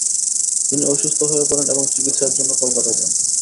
তিনি অসুস্থ হয়ে পড়েন এবং চিকিৎসার জন্য কলকাতা যান।